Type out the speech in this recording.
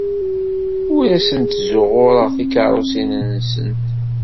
Ur asent-zzuɣureɣ tikeṛṛusin-nsent.